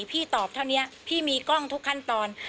พี่ตอบเท่านี้พี่มีกล้องทุกขั้นตอน